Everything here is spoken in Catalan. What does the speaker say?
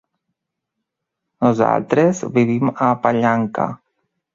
Nosaltres vivim a Vallanca.